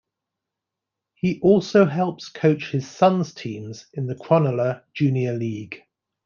He also helps coach his sons' teams in the Cronulla junior league.